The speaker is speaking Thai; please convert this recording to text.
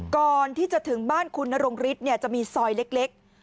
ก่อนที่จะถึงบ้านคุณนรงฤทธิ์จะมีซอยเล็ก